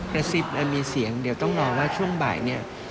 กระซิบมีเสียงเดี๋ยวต้องรอว่าช่วงบ่ายเนี่ย